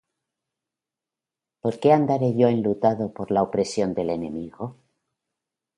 ¿Por qué andaré yo enlutado por la opresión del enemigo?